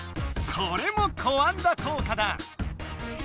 これも「コアンダ効果」だ！